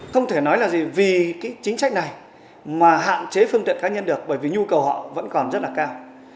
không thể nói là gì vì chính sách này mà hạn chế phương tiện cá nhân được bởi vì nhu cầu họ vẫn còn rất là cao